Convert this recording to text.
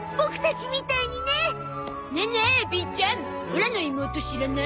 ちゃんオラの妹知らない？